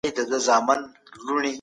د هيواد په کچه بيکاري ورو ورو کميدله.